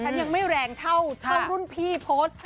ฉันยังไม่แรงเท่ารุ่นพี่โพสต์